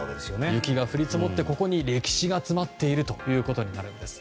雪が降り積もって、ここに歴史が詰まっているということになるんです。